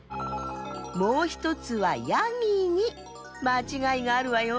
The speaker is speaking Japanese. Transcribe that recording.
もうひとつはやぎにまちがいがあるわよ。